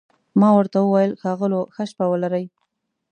ما ورته وویل: ښاغلو، ښه شپه ولرئ.